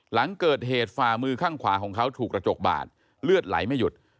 หลังเกิดเหตุฝ่ามือข้างขวาของเขาถูกกระจกบาดเลือดไหลไม่หยุด